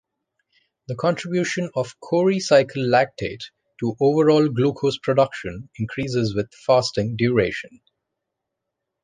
The contribution of Cori cycle lactate to overall glucose production increases with fasting duration.